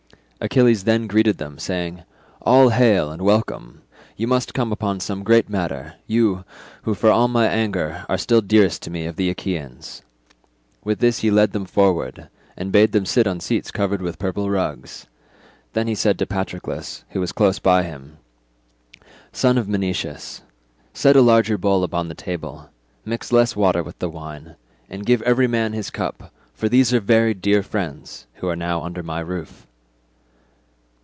Achilles then greeted them saying, "All hail and welcome—you must come upon some great matter, you, who for all my anger are still dearest to me of the Achaeans." With this he led them forward, and bade them sit on seats covered with purple rugs; then he said to Patroclus who was close by him, "Son of Menoetius, set a larger bowl upon the table, mix less water with the wine, and give every man his cup, for these are very dear friends, who are now under my roof."